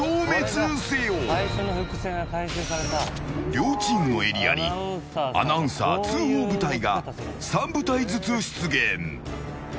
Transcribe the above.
両チームのエリアにアナウンサー通報部隊が３部隊ずつ出現。